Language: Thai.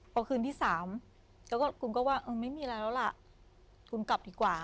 พอคืนที่๓คุณก็ว่าไม่มีอะไรแล้วล่ะคุณกลับดีกว่า